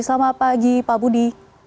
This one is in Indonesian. selamat pagi pak budi